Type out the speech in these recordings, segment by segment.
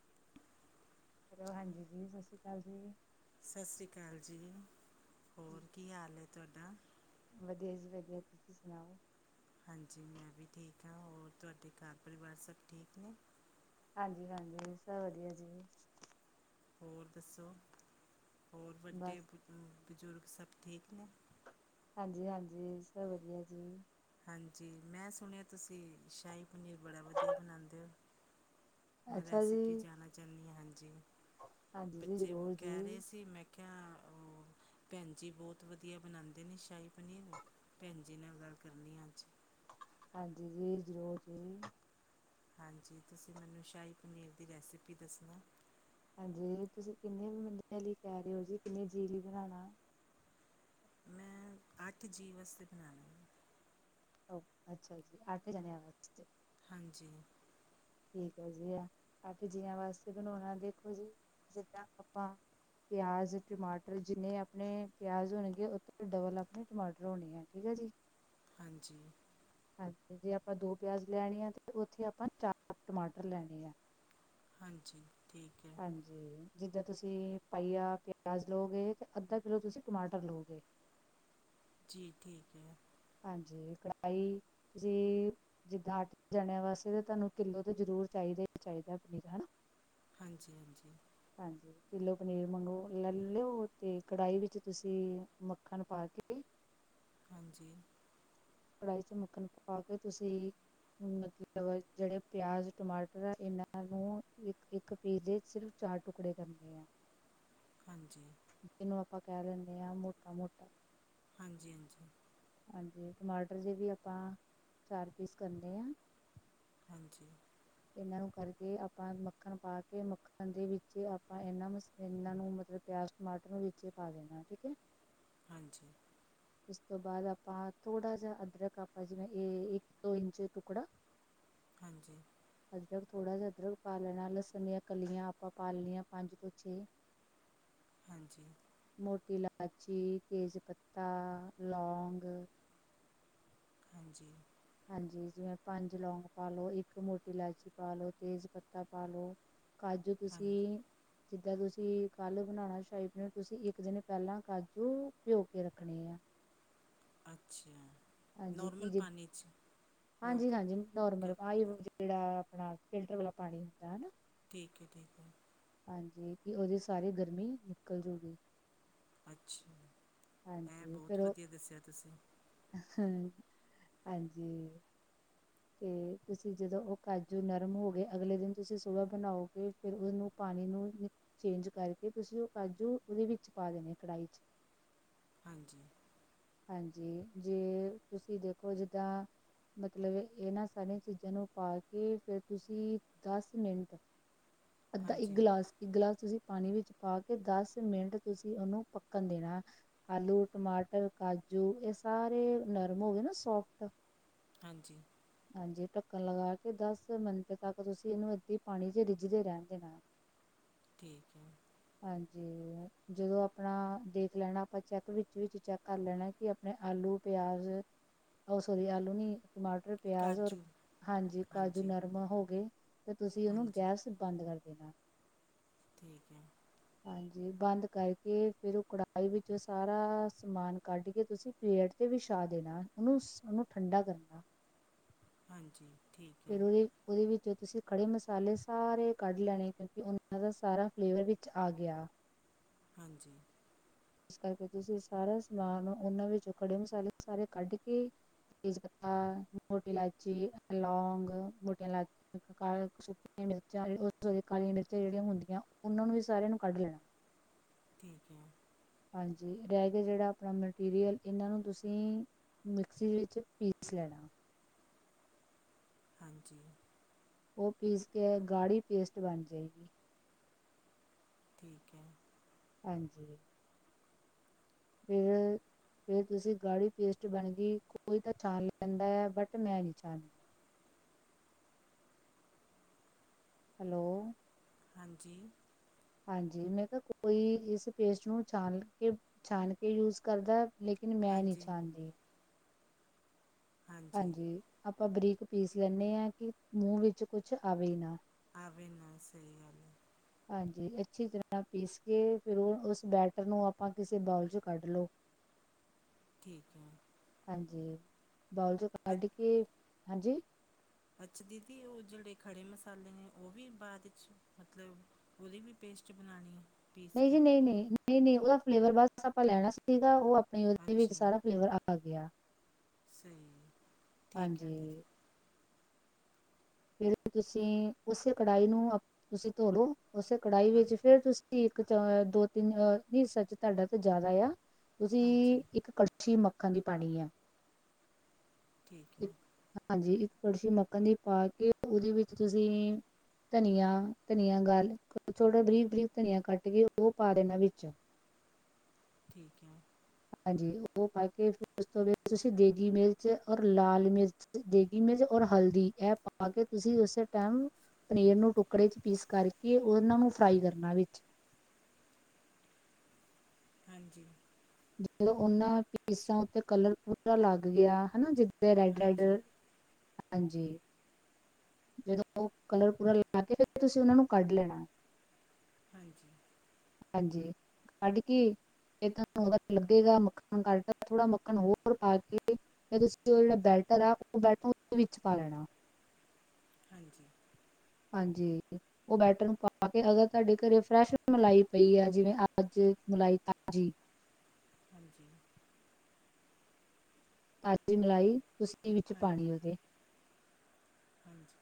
[inaudible] Hello, ਹਾਂਜੀ ਜੀ, ਸਸ਼੍ਰੀ ਕਾਲ ਜੀ। ਸਸ਼੍ਰੀ ਕਾਲ ਜੀ, ਹੋਰ ਕੀ ਹਾਲ ਐ ਤੂਆਡਾ? ਵਧਿਆ ਜੀ ਵਧਿਆ, ਤੂਸੀ ਸੁਣਾਓ? ਹਾਂਜੀ। ਮੈਂ ਵੀ ਠੀਕ ਹਾਂ, ਹੋਰ ਤੂਆਡੇ ਘਾਰ ਪਰਿਵਾਰ ਸਬ ਠੀਕ ਨੇ? ਹਾਂਜੀ- ਹਾਂਜੀ ਸਬ ਵਧਿਆ ਜੀ। ਹੋਰ ਦੱਸੋ, ਹੋਰ ਵੱਡੇ ਬਸ ਬ ਬੂਜੁਰਗ ਸਬ ਠੀਕ ਨੇ? ਹਾਂਜੀ- ਹਾਂਜੀ। ਸਬ ਵਧਿਆ ਜੀ। ਹਾਂਜੀ। ਮੈਂ ਸੁਣੇਆ ਤੂਸੀ ਸ਼ਾਹੀ ਪਨੀਰ ਬੜਾ ਵਦੀਆ ਬਨਾਂਦੇ ਓ। ਮੈਂ ਅੱਛਾ ਰੈਸਪੀ ਜੀ ਜਾਨਾ ਚਾਹਨੀ ਹਾਂ ਹਾਂਜੀ। ਹਾਂਜੀ ਜੀ ਬੱਚੇ ਜ਼ਰੂਰ ਕਿਰੇ ਜੀ ਸੀ। ਮੈਂ ਕੇਆ ਓਹ, ਭੈਣ ਜੀ ਬੋਤ ਵਦੀਆ ਬਨਾਂਦੇ ਨੇ ਸ਼ਾਈ ਪਨੀਰ। ਭੈਣ ਜੀ ਨਾਲ ਗੱਲ ਕਰਨੀ ਅੱਜ। ਹਾਂਜੀ ਜੀ, ਜ਼ਰੂਰ ਜੀ। ਹਾਂਜੀ। ਤੁਸੀਂ ਮੈਨੂੰ ਸ਼ਾਹੀ ਪਨੀਰ ਦੀ ਰੈਸਿਪੀ ਦੱਸਣਾ। ਹਾਂਜੀ। ਤੁਸੀਂ ਕਿੰਨੇ ਬੰਦਿਆਂ ਲਈ ਕਹਿ ਰਹੇ ਹੋ ਜੀ, ਕਿੰਨੇ ਜੀਅ ਲਈ ਬਣਾਉਣਾ। ਮੈਂ ਅੱਠ ਜੀਵ ਵਾਸਤੇ ਬਣਾਉਣੇ ਹੈ। ਅੱਛਾ ਜੀ। ਆ ਕੇ ਜਾਿਆ ਵਜਤੇ ਹਾਂਜੀ। ਠੀਕ ਹੈ ਜੀ। ਆ ਅੱਠ ਜੀਆਂ ਵਾਸਤੇ ਬਣਾਉਣਾ ਦੇਖੋ ਜੀ, ਜਿੱਦਾਂ ਆਪਾਂ ਪਿਆਜ਼, ਟਮਾਟਰ ਜਿੰਨੇ ਆਪਣੇ ਪਿਆਜ਼ ਹੋਣਗੇ ਓਤੋ ਦੀ ਡਬਲ ਅਪਣੇ ਟਮਾਟਰ ਹੋਣੇ ਐ, ਠੀਕ ਐ ਜੀ। ਹਾਂਜੀ। ਹਾਂਜੀ, ਜੇ ਆਪਾਂ ਦੋ ਪਿਆਜ ਲੈਣੇ ਐ, ਤੇ ਉੱਥੇ ਆਪਾਂ ਚਾਰ ਟਮਾਟਰ ਲੈਣੇ ਐ। ਹਾਂਜੀ, ਠੀਕ ਏ। ਹਾਂਜੀ, ਜਿੱਦਾਂ ਤੂਸੀ ਪਾਈਆ ਪਿਆਜ਼ ਲਉਗੇ, ਤੇ ਅੱਧਾ ਕਿਲੋ ਤੁਸੀ ਟਮਾਟਰ ਲੋਗੇ। ਜੀ ਠੀਕ ਐ। ਹਾਂਜੀ, ਕੜਾਈ ਤੁਸੀਂ। ਜਿੱਦਾਂ ਅੱਠ ਜਣਿਆ ਵਾਸਤੇ ਤਾਂ ਤੁਹਾਨੂੰ ਕਿੱਲੋ ਤੇ ਜਰੂਰ ਚਾਹੀਦਾ ਹੀ ਚਾਹੀਦਾ ਪਨੀਰ, ਹੈਨਾ। ਹਾਂਜੀ, ਹਾਂਜੀ। ਹਾਂਜੀ। ਕਿੱਲੋ ਪਨੀਰ ਮੰਗੋ ਲੈ ਲਿਓ ਤੇ ਕੜਾਹੀ ਵਿੱਚ ਤੁਸੀਂ ਮੱਖਣ ਪਾ ਕੇ। ਹਾਂਜੀ। ਕੜਾਹੀ ਚ ਮੱਖਣ ਪਕਾ ਕੇ ਤੁਸੀਂ। ਮਤਲਬ ਜਿਹੜੇ ਪਿਆਜ਼ ਟਮਾਟਰ ਆ ਇਹਨਾਂ ਨੂੰ ਇੱਕ-ਇੱਕ ਪੀਸ ਵਿੱਚ ਸਿਰਫ। ਚਾਰ ਟੁਕੜੇ ਕਰਨੇ ਆ। ਹਾਂਜੀ। ਜਿਹਨੂੰ ਆਪਾਂ ਕਹਿ ਲੈਂਦੇ ਹਾਂ ਮੋਟਾ-ਮੋਟਾ। ਹਾਂਜੀ-ਹਾਂਜੀ। ਹਾਂਜੀ ਟਮਾਟਰ ਜ ਵੀ ਆਪਾਂ ਚਾਰ ਪੀਸ ਕਰਨੇ ਆ। ਹਾਂਜੀ। ਇਹਨਾਂ ਨੂੰ ਕਰਕੇ ਆਪਾਂ ਮੱਖਣ ਪਾ ਕੇ ਮੱਖਣ ਦੇ ਵਿੱਚ ਆਪਾਂ ਇਹਨਾਂ ਮਸ ਇਹਨਾਂ ਨੂੰ ਮਤਲਬ ਪਿਆਜ। ਟਮਾਟਰ ਵਿੱਚੇ ਪਾ ਦੇਣਾ ਠੀਕ ਹੈ। ਹਾਂਜੀ। ਉਸ ਤੋਂ ਬਾਅਦ ਆਪਾਂ ਥੋੜਾ ਜਿਹਾ ਅਦਰਕ ਆਪਾਂ ਜਿਵੇਂ ਇਹ ਇੱਕ ਦੋ ਇੰਚ ਟੁਕੜਾ ਹਾਂਜੀ। ਅਦਰਕ ਥੋੜ੍ਹਾ ਜਿਹਾ ਅਦਰਕ ਪਾ ਲੈਣਾ ਲਸਣੀ ਦੀਆਂ ਕਲੀਆਂ ਆਪਾਂ ਪਾਲ ਲੈਣੀਆਂ ਪੰਜ ਤੋਂ ਛੇ। ਹਾਂਜੀ। ਮੋਟੀ ਇਲਾਚੀ ਤੇਜ਼ ਪੱਤਾ ਲੌਂਗ। ਹਾਂਜੀ। ਹਾਂਜੀ ਜਿਵੇਂ ਪੰਜ ਲੌਂਗ ਪਾਲੋ ਇੱਕ ਮੋਟੀ ਇਲਾਚੀ ਪਾ ਲੋ ਤੇਜ਼ ਪੱਤਾ ਪਾ ਲਓ। ਕਾਜੂ ਹਾਂਜੀ ਤੁਸੀਂ ਜਿੱਦਾਂ ਤੁਸੀਂ ਕੱਲ੍ਹ ਬਣਾਉਣਾ ਸਾ਼ਹੀ ਪਨੀਰ ਤੁਸੀਂ ਇੱਕ ਦਿਨ ਪਹਿਲਾਂ ਕਾਜੂ ਭਿਓ ਕੇ ਰੱਖਣੇ ਆ। ਅੱਛਾ ਹਾਂਜੀ ਕਿ ਨੋਰਮਲ ਜੇ ਪਾਣੀ 'ਚ ਹੋਟ ਹਾਂਜੀ-ਹਾਂਜੀ ਕ- ਨੋਰਮਲ। ਜਿਹੜਾ ਆਪਣਾ ਫਿਲਟਰ ਵਾਲਾ ਪਾਣੀ ਹੁੰਦਾ ਹੈ ਨਾ। ਠੀਕ ਹੈ ਠੀਕ ਹੈ। ਹਾਂਜੀ, ਕਿ ਉਹਦੀ ਸਾਰੀ ਗਰਮੀ ਨਿਕਲ ਜਾਊਗੀ। ਅੱਛਾ, ਇਹ ਬਹੁਤ ਵਧੀਆ ਦੱਸਿਆ ਤੁਸੀਂ। ਹ ਹਾਂਜੀ। ਤੇ ਤੁਸੀਂ ਜਦੋਂ ਉਹ ਕਾਜੂ ਨਰਮ ਹੋ ਗਏ ਅਗਲੇ ਦਿਨ ਤੁਸੀਂ ਸੁਬਾਹ ਬਣਾਓਗੇ। ਫਿਰ ਉਹਨੂੰ ਪਾਣੀ ਨੂੰ ਚੇਂਜ ਕਰਕੇ ਤੁਸੀਂ ਉਹ ਕਾਜੂ ਉਹਦੇ ਵਿੱਚ ਪਾ ਦੇਣੇ ਕੜਾਹੀ ਚ। ਹਾਂਜੀ ਹਾਂਜੀ ਜੇ ਤੁਸੀਂ ਦੇਖੋ ਜਿੱਦਾਂ। ਮਤਲਬ ਇਹਨਾਂ ਸਾਰੀਆਂ ਚੀਜ਼ਾਂ ਨੂੰ ਪਾ ਕੇ ਫਿਰ ਤੁਸੀਂ ਦਸ ਮਿੰਟ। ਅੱਧਾ ਇੱਕ ਹਾਂਜੀ ਗਿਲਾਸ ਇੱਕ ਗਿਲਾਸ ਤੁਸੀਂ ਪਾਣੀ ਵਿੱਚ ਪਾ ਕੇ ਦਸ ਮਿੰਟ ਤੁਸੀਂ ਉਹਨੂੰ ਪੱਕਣ ਦੇਣਾ। ਆਲੂ ਟਮਾਟਰ ਕਾਜੂ ਇਹ ਸਾਰੇ ਨਰਮ ਹੋ ਗਏ ਨਾ ਸੋਫਟ। ਹਾਂਜੀ ਹਾਂਜੀ ਢੱਕਣ ਲਗਾ ਕੇ ਦਸ ਮਿੰਟ ਤੱਕ ਤੁਸੀਂ ਇਹਨੂੰ ਏਦਾਂ ਹੀ ਪਾਣੀ ਚ ਰਿੱਝਦੇ ਰਹਿੰਣ ਦੇਣਾ। ਠੀਕ ਹੈ। ਹਾਂਜੀ, ਜਦੋਂ ਆਪਣਾ ਦੇਖ ਲੈਣਾ ਆਪਾਂ ਚੈੱਕ ਵਿਚ-ਵਿਚ ਚੈੱਕ ਕਰ ਲੈਣਾ ਕਿ ਆਪਣੇ ਆਲੂ ਪਿਆਜ, ਓ ਸੋਰੀ ਆਲੂ ਨੀ, ਟਮਾਟਰ ਪਿਆਜ ਔਰ, ਕਾਜੂ ਹਾਂਜੀ ਕਾਜੂ ਨਰਮ ਹੋ ਗਏ ਤੇ ਤੁਸੀਂ ਉਹਨੂੰ ਹਾਂਜੀ ਗੈਸ ਬੰਦ ਕਰ ਦੇਣਾ ਠੀਕ ਹੈ ਹਾਂਜੀ, ਬੰਦ ਕਰਕੇ ਫੇਰ ਉਹ ਕੜਾਹੀ ਵਿੱਚੋ ਸਾਰਾ ਸਮਾਨ ਕੱਢ ਕੇ ਤੁਸੀਂ ਪਲੇਟ ਤੇ ਵਿਛਾ ਦੇਣਾ, ਉਹਨੂੰ-ਉਹਨੂੰ ਠੰਡਾ ਕਰਨਾ ਹਾਂਜੀ ਠੀਕ ਹੈ ਫਿਰ ਉਹੀ ਉਹਦੇ ਵਿੱਚ ਤੁਸੀਂ ਖੜੇ ਮਸਾਲੇ ਸਾਰੇ ਕੱਢ ਲੈਣੇ, ਕਿਉਂਕਿ ਉਹਨਾਂ ਦਾ ਸਾਰਾ ਫਲੇਵਰ ਵਿੱਚ ਆ ਗਿਆ ਹਾਂਜੀ ਇਸ ਕਰਕੇ ਤੁਸੀਂ ਸਾਰਾ ਸਮਾਨ ਉਹਨਾਂ ਵਿੱਚੋਂ ਕੜੇ ਮਸਾਲੇ ਸਾਰੇ ਕੱਢ ਕੇ ਤੇਜ਼ਪਤਾ, ਮੋਟੀ ਇਲਾਇਚੀ, ਲੌਗ, ਮੋਟ ਇਲਾਇਚੀ ਇਕ ਕਾਲੀਆ ਤੇ ਸੁੱਕੀਆਂ ਮਿਰਚਾਂ ਉਸ ਵਲੇ ਕਾਲੀਆਂ ਮਿਰਚਾਂ ਜਿਹੜੀਆਂ ਹੁੰਦੀਆਂ, ਉਹਨਾਂ ਨੂੰ ਵੀ ਸਾਰਿਆਂ ਨੂੰ ਕੱਢ ਲੈਣਾ ਠੀਕ ਹੈ ਹਾਂਜੀ, ਰਹਿ ਗਿਆ ਜਿਹੜਾ ਆਪਣਾ ਮਟੀਰੀਅਲ, ਇਹਨਾਂ ਨੂੰ ਤੁਸੀਂ ਮਿਕਸੀ ਵਿੱਚ ਪੀਸ ਲੈਣਾ ਹਾਂਜੀ ਉਹ ਪੀਸ ਕੇ, ਗਾੜੀ ਪੇਸਟ ਬਣ ਜਾਏਗੀ ਠੀਕ ਹੈ ਹਾਂਜੀ ਇਹ ਫੇਰ ਤੁਸੀਂ ਗਾੜੀ ਪੇਸਟ ਬਣ ਗਈ, ਕੋਈ ਤਾਂ ਛਾਣ ਲੈਂਦਾ ਆ, ਬਟ ਮੈਂ ਨਹੀਂ ਛਾਣਦੀ ਹੈਲੋ ਹਾਂਜੀ ਹਾਂਜੀ, ਮੈਂ ਕਿਹਾ ਕੋਈ ਇਸ ਪੇਸਟ ਨੂੰ ਛਾਣ ਕੇ, ਛਾਣ ਕੇ ਯੂਜ ਕਰਦਾ ਲੇਕਿਨ ਮੈਂ ਨਹੀਂ ਹਾਂਜੀ ਛਾਣਦੀ ਹਾਂਜੀ, ਆਪਾਂ ਬਰੀਕ ਪੀਸ ਲੈਂਦੇ ਹਾਂ, ਕਿ ਮੂੰਹ ਵਿੱਚ ਕੁਛ ਆਵੇ ਨਾ ਆਵੇ ਨਾ, ਸਹੀ ਗੱਲ ਹਾਂਜੀ, ਅੱਛੀ ਤਰ੍ਹਾਂ ਨਾਲ ਪੀਸ ਕੇ, ਫਿਰ ਉਹ ਉਸ ਬੈਟਰ ਨੂੰ ਆਪਾਂ ਕਿਸੇ ਬਾਉਲ 'ਚ ਕੱਢ ਲੋ ਠੀਕ ਹੈ ਹਾਂਜੀ, ਬਾਉਲ 'ਚ ਕੱਢ ਅੱ- ਕੇ, ਹਾਂਜੀ ਅੱਛਾ ਦੀਦੀ, ਉਹ ਜਿਹੜੇ ਖੜ੍ਹੇ ਮਸਾਲੇ ਨੇ, ਉਹ ਵੀ ਬਾਅਦ ਵਿੱਚ, ਮਤਲਬ ਉਹਦੀ ਵੀ ਪੇਸਟ ਬਣਾਉਣੀ ਹੈ ਪੀਸ ਨਹੀਂ ਕੇ ਜੀ ਨਹੀਂ ਨਹੀਂ ਨਹੀਂ ਨਹੀਂ ਉਹਦਾ ਫਲੇਵਰ ਬਸ ਆਪਾਂ ਲੈਣਾ ਸੀਗਾ ਉਹ ਉਹਦੇ ਵਿੱਚ ਅੱਛਾ ਸਾਰਾ ਫਲੇਵਰ ਆ ਗਿਆ ਸਹੀ, ਠੀਕ ਹੈ ਦੀਦੀ ਹਾਂਜੀ ਫੇਰ ਤੁਸੀਂ, ਉਸੇ ਕੜਾਹੀ ਨੂੰ ਤੁਸੀਂ ਧੋਲੋ, ਉਸੇ ਕੜਾਹੀ ਹਾਂ ਵਿੱਚ ਫੇਰ ਤੁਸੀਂ ਇੱਕ 'ਚ ਦੋ, ਤਿੰਨਹ ਹਿੱਸਾ 'ਚ ਤੁਹਾਡਾ ਤੇ ਜਿਆਦਾ ਆ ਹਾਂਜੀ ਤੁਸੀਂ ਇੱਕ ਕ ਕੜਛੀ ਮੱਖਣ ਦੀ ਪਾਉਣੀ ਆ ਠੀਕ ਹੈ ਇੱਕ ਹਾਂਜੀ, ਇੱਕ ਕੜਛੀ ਮੱਖਣ ਦੀ ਪਾ ਕੇ, ਉਹਦੇ ਵਿੱਚ ਤੁਸੀਂ ਧਨੀਆ -ਧਨੀਆ ਗੱਲ, ਥੋੜਾ ਬਰੀਕ- ਬਰੀਕ ਧਨੀਆ ਕੱਟ ਕੇ ਉਹ ਪਾ ਦੇਣਾ ਵਿੱਚ। ਠੀਕ ਹੈ। ਹਾਂਜੀ, ਉਹ ਪਾ ਕੇ ਫਿਰ ਉਸ ਤੋਂ ਬਾਅਦ ਤੁਸੀਂ ਦੇਗੀ ਮਿਰਚ ਔਰ ਲਾਲ ਮਿਰਚ? ਦੇਗੀ ਮਿਰਚ ਔਰ ਹਲਦੀ ਇਹ ਪਾ ਕੇ ਤੁਸੀਂ, ਉਸੇ ਟਾਈਮ? ਪਨੀਰ ਨੂੰ ਟੁਕੜੇ 'ਚ ਪੀਸ ਕਰਕੇ, ਉਹਨਾਂ ਨੂੰ ਫਰਾਈ ਕਰਨਾ ਵਿੱਚ। ਹਾਂਜੀ। ਜਦੋਂ ਉਹਨਾਂ ਪੀਸਾਂ ਉੱਤੇ ਕਲਰ ਪੂਰਾ ਲੱਗ ਗਿਆ ਹਨਾ ਜੀ? ਤੇ ਰੈਡ -ਰੈਡ? ਹਾਂਜੀ ਹਾਂਜੀ ਜਦੋਂ ਉਹ ਕਲਰ ਪੂਰਾ ਲਾ ਕੇ ਫਿਰ ਤੁਸੀਂ ਉਹਨਾਂ ਨੂੰ ਕੱਢ ਲੈਣਾ ਹਾਂਜੀ ਹਾਂਜੀ ਸਾਡੇ ਕੀ ਜੇ ਤੁਹਾਨੂੰ ਲੱਗੇਗਾ ਮੱਖਣ ਕੱਟ ਥੋੜਾ ਮੱਖਣ ਹੋਰ ਪਾ ਕੇ ਫ ਤੁਸੀਂ ਉਹ ਜਿਹੜਾ ਬੈਟਰ ਆ ਉਹ ਬੈਟਦੇ ਵਿੱਚ ਪਾ ਲੈਣਾ ਹਾਂਜੀ ਹਾਂਜੀ ਉਹ ਬੈਟਰ ਨੂੰ ਪਾ ਕੇ ਅਗਰ ਤੁਹਾਡੇ ਘਰੇਰੈਸ਼ ਮਲਾਈ ਪਈ ਆ ਜਿਵੇਂ ਅੱਜ ਮਲਾਈ ਤਾਜ਼ੀ ਹਾਂਜੀ ਤਾਜ਼ੀ ਮਲਾਈ ਤੁਸੀਂ ਵਿੱਚ ਹਾਂ ਪਾਣੀ ਉਹਦੇ ਹਾਂਜੀ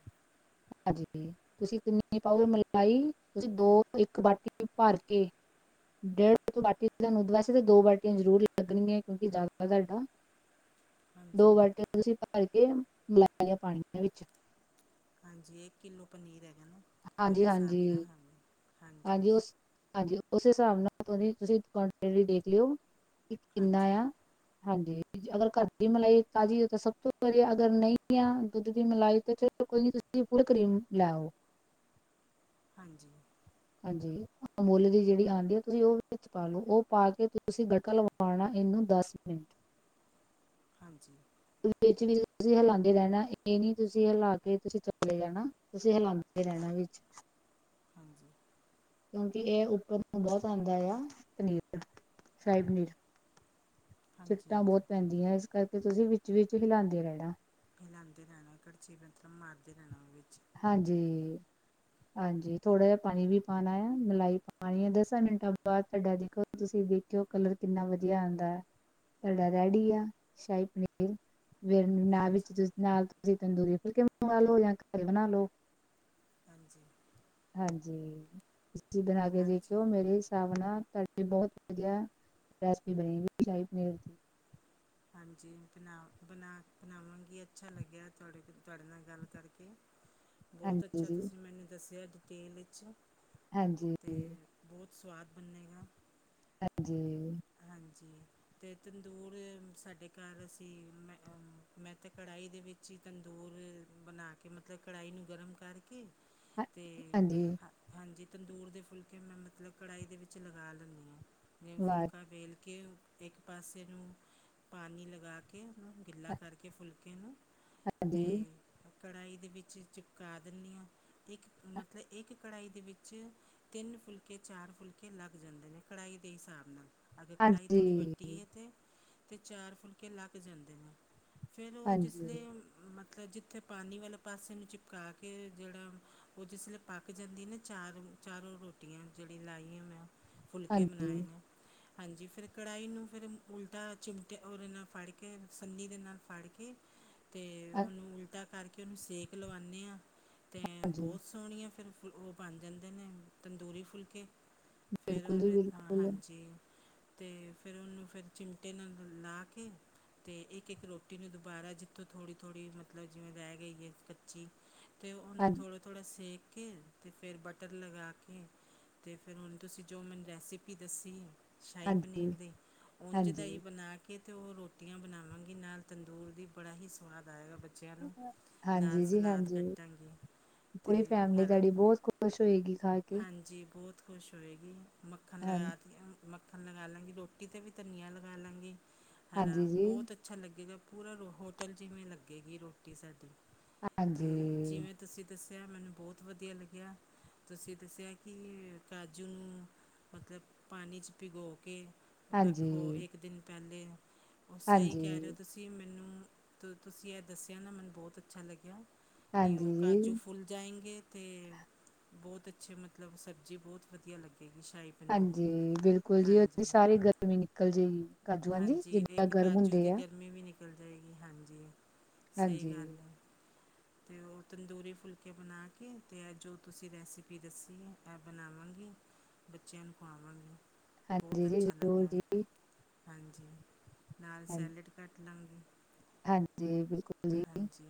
ਹਾਂਜੀ। ਤੁਸੀਂ ਕਿੰਨੀ ਪਾਓਗੇ ਮਲਾਈ ਤੁਸੀਂ ਦੋ ਇੱਕ ਬਾਟੀ ਭਰ ਕੇ। ਡੇਢ ਤੋਂ ਬਾਟੀੀਆਂ ਤੁਹਾਨੂੰ ਵੈਸੇ ਤਾਂ ਦੋ ਬਾਟੀਆਂ ਜ਼ਰੂਰ ਲੱਗਣਗੀਆਂ ਕਿਉਂਕਿ ਜ਼ਿਆਦਾ ਤੁਹਾਡਾ। [inaudible] ਦੋ ਬਾਟੀਆਂ ਤੁਸੀਂ ਭਰ ਕੇ ਮਿਲਾਲਆਂ ਪਾਣੀਆਂ ਵਿੱਚ। ਹਾਂਜੀ ਇੱਕ ਕਿੱਲੋ ਪਨੀਰ ਹੈਗਾ ਨਾ ਉਹਦੇ ਹਾਂਜੀ ਹਿਸਾਬ ਹਾਂਜੀ ਨਾਲ ਹਾਂਜੀ? ਹਾਂਜੀ ਉਸ ਹਾਂਜੀ ਉਸ ਹਿਸਾਬ ਨਾਲ ਦੇਖ ਲਿਓ? ਇੱਕ ਕਿੰਨਾ ਹਾਂਜੀ ਆ? ਹਾਂਜੀ ਅਗਰ ਘਰ ਦੀ ਮਲਾਈ ਤਾਜ਼ੀ ਹੋ ਤਾਂ ਸਭ ਤੋਂ ਵਧੀਆ ਅਗਰ ਨਹੀਂ ਆ ਦੁੱਧ ਦੀ ਮਲਾਈ ਤਾਂ ਚਲੋ ਕੋਈ ਨੀਂ। ਦੀਪ ਕਰੀਮ ਲਿਆਓ। ਹਾਂਜੀ। ਹਾਂਜੀ ਅਮੂੱਲ ਦੀ ਜਿਹੜੀ ਆਉਂਦੀ ਆ ਤੁਸੀਂ ਉਹ ਵਿੱਚ ਪਾ ਲਓ ਉਹ ਪਾ ਕੇ ਤੁਸੀਂ ਗੱਟਾ ਲਵਾ? ਪਾਉਣਾ ਇਹਨੂੰ ਦਸ ਮਿੰਟ? ਹਾਂਜੀ। ਵਿੱਚ ਵੀ ਤੁਸੀਂ ਹਿਲਾਉਂਦੇ ਰਹਿਣਾ ਇਹ ਨੀ ਤੁਸੀਂ ਹਿਲਾ ਕੇ ਤੁਸੀਂ ਚਲੇ ਜਾਣਾ। ਤੁਸੀਂ ਹਲਉਂਦੇ ਰਹਿਣਾ ਵਿੱਚ। ਹਾਂਜੀ। ਕਿਉਂਕਿ ਇਹ ਉੱਪਰ ਬਹੁਤ ਆਉਂਦਾ ਆ ਪਨੀਰ ਸ਼ਰਾਹੀ ਪਨੀਰ। ਹਾਂਜੀ ਚਿੱਟਾਂ ਬਹੁਤ ਹਾਂਜੀ ਪੈਂਦੀਆਂ ਇਸ ਕਰਕੇ ਤੁਸੀਂ ਵਿੱਚ ਵਿਚ ਹਿਲਾਉਂਦੇ ਰਹਿਣਾ। ਹਿਲਾਉਂਦੇ ਰਹਿਣਾ ਇੱਕੜਚੀ ਬਤਮ ਮਾਰਦੇ ਰਹਿਣਾ ਉਹ ਵਿੱਚ। ਹਾਂਜੀ। ਹਾਂਜੀ ਥੋੜਾ ਜਹਾ ਪਾਣੀ ਵੀ ਪਾਉਣਾ ਆ ਮਲਾਈ ਪਾਉਣੀ ਆ ਦਸਾਂ ਮਿੰਟਾਂ ਬਾਅਦ ਤੁਹਾਡਾ ਦੇਖੋ? ਤੁਸੀਂ ਦੇਖਿਓ ਕਲਰ ਕਿੰਨਾ ਵਧੀਆ ਆਉਂਦਾ ਹੈ ਤੁਹਾਡਾ ਰੈਡੀ ਆ ਸ਼ਾਹੀ ਪਨੀਰ। ਫ ਨਾ ਹਾਂਜੀ ਵਿੱਚ ਨਾਲ ਤੁਸੀਂ ਤੰਦੂਰੀ ਫੁਲਕੇ ਮੰਗਵਾਾਲੋ ਜਾਂ ਘਰੇ ਬਣਾ ਲੋ। ਹਾਂਜੀ। ਹਾਂਜੀ ਤੁ ਬਣਾ ਕੇ ਹਾਂਜੀ ਦੇਖਿਓ ਮੇਰੇ? ਸਾਵਣਾ ਤੁਹਾਡੀ ਬਹੁਤ ਵਧੀਆ ਰੈਸਪੀ ਬਣੇ ਗਈ ਸ਼ਾਹੀ ਪਨੀਰ ਦੀ। ਹਾਂਜੀ ਬਣਾ ਬਣਾ ਬਣਾਵਾਂਗੀ ਅੱਛਾ ਲੱਗਿਆ ਤੁਹਾਡੇ ਤੁਹਾਡੇ ਨਾਲ ਗੱਲ ਕਰਕੇ। ਬਹੁਤ ਹਾਂਜੀ ਅੱਛਾ ਜੀ ਤੁਸੀਂ ਮੈਨੂੰ ਦੱਸਿਆ ਡਿਟੇਲ ਵਿੱਚ। ਹਾਂਜੀ। ਤੇ ਬਹੁਤ ਸਵਾਦ ਬਨੇਗਾ। ਹਾਂਜੀ। ਹਾਂਜੀ ਤੇ ਤੰਦੂਰ ਸਾਡੇ ਘਰ ਅਸੀਂ ਮੈਂ-ਮੈਂ ਤੇ ਕੜਾਈ ਦੇ ਵਿੱਚ ਈ ਤੰਦੂਰ ਬਣਾ ਕ ਕਿ ਮਤਲਬ ਕੜਾਈ ਨੂੰ ਗਰਮ ਕਰਕੇ ਹਾਂ- ਤੇ ਹਾਂਜੀ ਹਾ ਹਾਂਜੀ ਤੰਦੂਰ ਦੇ ਫੁਲਕੇ ਮੈਂ ਮਤਲਬ ਕੜਾਈ ਦੇ ਵਿੱਚ ਲਗਾ ਲੈਣੀ ਆ। ਫੇਰ ਵਾਹ ਫੁਲਕਾ ਵੇਲ ਕੇ ਏਕ ਪਾਸੇ ਨੂੰ। ਪਾਣੀ ਲਗਾ ਕੇ ਉਹਨੂੰ ਗਿੱਲਾ ਕਰਕੇ ਫੁਲਕੇ ਨੂੰ ਹਾਂਜੀ ਤੇ ਕੜਾਈ ਦੇ ਵਿੱਚ ਚਿਪਕਾ ਦਿੰਨੀ ਆ। ਇੱਕ ਹਾਂਜੀ ਮਤਲਬ ਏਕ ਕੜਾਈ ਦੇ ਵਿੱਚ ਤਿੰਨ ਫੁਲਕੇ ਚਾਰ ਫੁਲਕੇ ਲੱਗ ਜਾਂਦੇ ਨੇ ਕੜਾਹੀ ਦੇ ਹਿਸਾਬ ਨਾਲ। ਅਗਰ ਕੜ੍ਹਾਈ ਤੁੜੀ ਹਾਂਜੀ ਵੱਡੀ ਹੈ ਤਾਂ? ਤੇ ਚਾਰ ਫੁਲਕੇ ਲੱਗ ਜਾਂਦੇ ਨੇ ਫਿਰ ਉਹ ਜਿਸ ਹਾਂਜੀ ਲਈ ਮਤਲਬ ਜਿੱਥੇ ਪਾਨੀ ਵਾਲੇ ਪਾਸੇ ਨੂੰ ਚਿਪਕਾ ਕੇ ਜਿਹੜਾ ਉਹ ਜਿਸਲੇ ਪੱਕ ਜਾਂਦੀ ਨਾ, ਚਾਰ-ਚਾਰੋਂ ਰੋਟੀਆਂ ਜਿਹੜੀ ਲਾਈ ਆ ਮੈਂ ਫੁਲਕੇ ਬਣਾਏ ਹਾਂਜੀ ਨੇ, ਹਾਂਜੀ, ਫਿਰ ਕੜਾਹੀ ਨੂੰ ਫਿਰ ਉਲਟਾ ਚਿਮਟੇ ਉਹਦੇ ਨਾਲ ਫੜ ਕੇ, ਸੰਨੀ ਦੇ ਨਾਲ ਫੜ ਕੇ, ਤੇ ਹਾਂ- ਉਹਨੂੰ ਉਲਟਾ ਕਰਕੇ ਉਹਨੂੰ ਸੇਕ ਲਵਾਨੇ ਆ, ਤੇ ਹਾਂਜੀ ਬਹੁਤ ਸੋਹਣੀਆਂ ਫੇਰ ਫੁ ਉਹ ਬਣ ਜਾਂਦੇ ਨੇ ਤੰਦੂਰੀ ਫੁਲਕੇ। ਫਿਰ, ਬਿਲਕੁਲ ਜੀ ਉਹਨੇ [unintelligible] ਬਿਲਕੁਲ ਹਾਂਜੀ ਤੇ ਫਿਰ ਉਹਨੂੰ ਫਿਰ ਚਿਮ ਏਨਾਂ ਨੂੰ ਲਾ ਕੇ। ਤੇ ਇੱਕ-ਇੱਕ ਰੋਟੀ ਨੂੰ ਦੁਬਾਰਾ, ਜਿੱਥੋਂ ਥੋੜ੍ਹੀ-ਥੋੜ੍ਹੀ, ਮਤਲਬ ਜਿਵੇਂ ਰਹਿ ਗਈ ਏ ਕੱਚੀ ਤੇ ਹਾਂ ਉਨੂੰ ਥੋੜ੍ਹਾ-ਥੋੜ੍ਹਾ ਸੇਕ ਕੇ, ਤੇ ਫਿਰ ਬਟਰ ਲਗਾ ਕੇ ਤੇ ਫੇਰ, ਹੁਣ ਤੁਸੀਂ ਜੋ ਮੈਨੂੰ ਰੈਸਿਪੀ ਦਸੀ ਸ਼ਾਹੀ ਪਨੀਰ ਹਾਂਜੀ, ਦੀ, ਉਝ ਹਾਂਜੀ। ਬਣਾ ਕੇ, ਤੇ ਉਹ ਰੋਟੀਆਂ ਬਣਾਵਾਂਗੀ ਨਾਲ ਤੰਦੂਰ ਦੀ, ਬੜਾ ਹੀ ਸਵਾਦ ਆਏਗਾ, ਬੱਚ ਬੱਚਿਆਂ ਨੂੰ ਨਾਲ ਹਾਂਜੀ ਜੀ ਸਲਾਦ ਹਾਂਜੀ, ਕਟਾਗੀ। ਤੇ ਪੂਰੀ ਫੈਮਿਲੀ ਹਰ ਤੁਹਾਡੀ ਬਹੁਤ ਖੁਸ਼ ਹੋਏਗੀ ਖਾ [inaudible] ਕੇ। ਹਾਂਜੀ, ਬੋਤ ਖੁਸ਼ ਹੋਏਗੀ। ਮੱਖਣ ਹਾਂ ਲਗਾ ਦੀਆ, ਮੱਖਣ ਲਗਾ ਲਾਂਗੀ ਰੋਟੀ ਤੇ ਵੀ ਧਨੀਆ ਲ ਲਾ ਲਾਂਗੀ। ਹਰਾ ਹਾਂਜੀ ਜੀ, ਬੌਤ ਅੱਛਾ ਲੱਗੇਗਾ, ਪੂਰਾ ਰੋ ਹੋਟਲ ਜਿਵੇੰ ਲਗੇਗੀ ਰੋਟੀ ਸਾਡੀ। ਤੇ ਹਾਂਜੀ, ਜਿਵੇਂ ਤੁਸੀਂ ਦਸਿਆਂ ਮੈਨੂੰ ਬੌਤ ਵਧੀਆ ਲੱਗਿਆ। ਤੁਸੀਂ ਦਸਿਆ ਕਿ ਕਾਜੂ ਨੂੰ ਮਤਲਬ ਪਾਣੀ ਚ ਭਿਗੋ ਕੇ। ਰੱਖੋ ਹਾਂਜੀ। ਇੱਕ ਦਿਨ ਪਹਿਲੇ, ਉਹ ਸਹੀ ਕਹਿ ਰਹੇ ਹਾਂਜੀ, ਤੁਸੀਂ। ਤੁਸੀ ਮੈਨੂੰ ਤ ਤੁਸੀਂ ਇਹ ਦੱਸਿਆ ਨਾ, ਮੈਨੂੰ ਬੌਤ ਅੱਛਾ ਲੱਗਿਆ। ਕੀ ਉਹ ਹਾਂਜੀ ਕਾਜੂ ਜੀ। ਫੂਲ ਜਾਏਂਗੇੇ। ਤੇ ਬਹੁਤ ਅੱਛੇ, ਮਤਲਬ ਸਬਜ਼ੀ ਬੌਤ ਵਧੀਆ ਲੱਗੇਗੀ, ਸ਼ਾਈ ਹਾਂਜੀ, ਬਿਲਕੁਲ ਜੀ, ਉਹਦੀ ਸਾਰੀ ਗਰਮੀ ਨਿਕਲ ਜੇਗੀ। ਕਾਜੂ ਹਾਂਜੀ, ਜਿੱਦਾਂ ਇਕ ਗਰਮ ਕਾਜੂ ਹੁੰਦੇ ਦੀ ਆ। ਗਰਮੀ ਵੀ ਨਿਕ ਨਿਕਲ ਜਾਏਗੀ, ਹਾਂਜੀ, ਸਹੀ ਹਾਂਜੀ, ਗੱਲ ਐ। ਤੇ ਉਹ ਤੰਦੂਰੀ ਫੁਲਕੇ ਬਣਾ ਕੇ, ਤੇ ਇਹ ਜੋ ਤੁਸੀਂ ਰੈਸਪੀ ਦੱਸੀ ਏ ਇਹ ਬਣਾਵਾਂਗੀ। ਬੱਚਿਆਂ ਨੂੰ ਖਾਵਾਵਾਗੀ, ਬਹੁਤ ਹਾਂਜੀ ਜੀ ਅੱਛਾ ਜ਼ਰੂਰ ਲੱਗਿਆ। ਜੀ ਹਾਂਜੀ, ਨਾਲ ਹਾਂਜੀ। ਸੈਲਡ ਕੱਟ ਲਾਂਗੇ। ਹਾਂਜੀ, ਬਿਲਕੁਲ। ਜੀ, ਹਾਂਜੀ।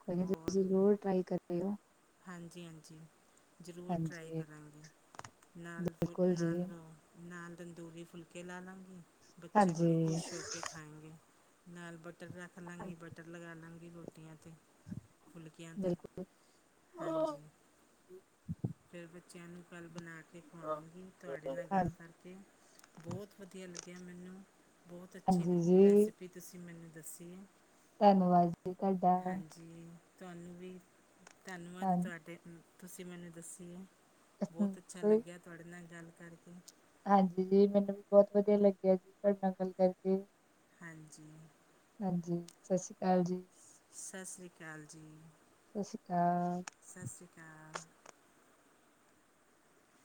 ਕੋਈ ਨੀ ਤੁਸੀਂ ਜ਼ਰੂਰ ਟਰਾਈ ਕਰਦੇਓ। ਹਾਂਜੀ-ਹਾਂਜੀ, ਜ਼ਰੂਰ ਟਰਾਈ ਹਾਂਜੀ। ਕਰਾਂਗੀ, ਨਾਲ ਫੁ ਬਿਲਕੁਲ ਜੀ, ਨਾਲ ਰੋ ਨਾਲ ਤੰਦੂਰੀ ਫੁਲਕੇ ਲਾ ਲਾਂਗੀ, ਬੱਚੇ ਹਾਂਜੀ, ਬੜ੍ਹੇ ਖੁਸ਼ ਹੋ ਕੇ ਖਾਏਂਗੇ। ਨਾਲ ਬਟਰ ਰੱਖ ਲਾਂਗੀ, ਬਟਰ ਲਗਾ ਲਗਾ ਲਾਗੀ ਰੋਟੀਆਂ ਤੇ। ਫੁਲਕਿਆਂ ਤੇ ਬਿਲਕੁਲ। ਹਾਂਜੀ। ਫਿਰ ਬੱਚਿਆਂ ਨੂੰ ਕੱਲ ਬਣਾ ਕੇ ਹਾਂ ਖਵਾਵਾਂਗੀ, ਤੁਹਾਡੇ ਨਾਲ ਗੱਲ ਕਰ ਬੌਤ ਵਧੀਆ ਲੱਗਿਆ ਮੈਨੂੰ, ਬੌਤ ਅੱਛੀ ਹਾਂਜੀ ਜੀ ਰੈਸਪੀ ਤੁਸੀਂ ਮੈਨੂੰ ਦੱਸੀ ਏ। ਧੰਨਵਾਦ ਜੀ ਤਾਡਾ। ਜੀ ਤੁਹਾਨੂੰ ਵੀ, ਧੰਨਵਾਦ ਹਾਂ ਤੁਹਾਡੇ, ਤੁਸੀਂ ਮੈਨੂੰ ਦੱਸੀ ਏ। ਬੌਤ ਅੱਛਾ ਲੱਗਿਆ, ਤੁਹਾਡੇ ਨਾਲ ਗੱਲ ਕਰਕੇ। ਹਾਂਜੀ ਜੀ, ਮੈਨੂੰ ਵੀ ਬਹੁਤ ਵਧੀਆ ਲੱਗਿਆ ਜੀ ਤੁਹਾਡੇ ਨਾਲ ਗੱਲ ਕਰਕੇ। ਹਾਂਜੀ, ਹਾਂਜੀ ਸਤਿ ਸ਼੍ਰੀ ਅਕਾਲ ਜੀ ਸਾਸਰੀ ਕਾਲ ਜੀ। ਸਾਸਰੀ ਕਾਲ। ਸਾਸਰੀ ਕਾਲ।